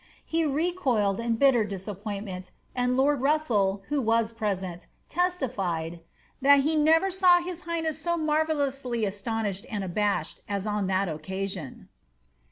He recoiled in bitter disappointment, and lord Russell, who was present, testified ^ that he never saw his highness so marvellously astonished and abashed as on that occasion."